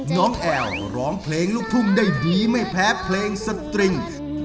น้องแอลร้องเพลงลูกทุ่งได้ดีไม่แพ้เพลงสตริง